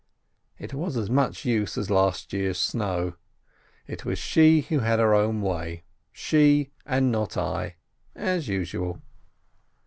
It was as much use as last year's snow; it was she who had her way, she, and not I, as usual.